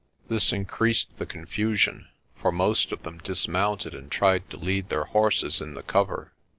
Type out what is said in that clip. This increased the confusion, for most of them dismounted and tried to lead their horses in the cover.